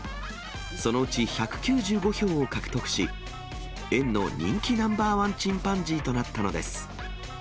そのうち１９５票を獲得し、園の人気ナンバー１チンパンジーとなったのです。